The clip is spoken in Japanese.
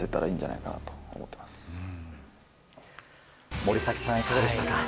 森崎さん、どうでしたか？